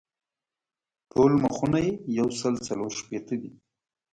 ټول مخونه یې یو سل څلور شپېته دي.